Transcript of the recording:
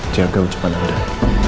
jaga ujian pada udah